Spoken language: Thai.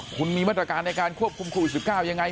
คุณมีมาตรการในการควบคุมโควิด๑๙ยังไง